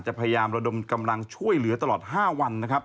พยายามระดมกำลังช่วยเหลือตลอด๕วันนะครับ